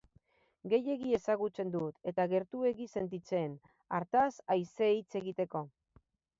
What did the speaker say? Gehiegi ezagutzen dut, eta gertuegi sentitzen, hartaz aise hitz egiteko.